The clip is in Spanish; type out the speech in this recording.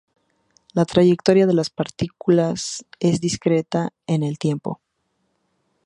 La trayectoria de las partículas es discreta en el tiempo.